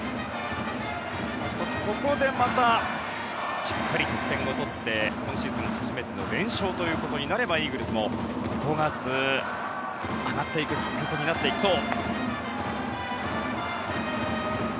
１つここでまたしっかり得点を取って今シーズン初めての連勝ということになればイーグルスも５月、上がっていくきっかけになっていきそう。